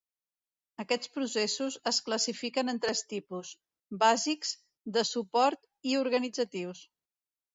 Aquests processos es classifiquen en tres tipus: bàsics, de suport i organitzatius.